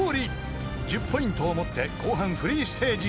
［１０ポイントを持って後半フリーステージへ］